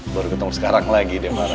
baru ketemu sekarang lagi deh mara